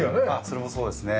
それもそうですね。